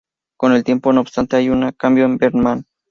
Con el tiempo, no obstante, hay un cambio en Berman.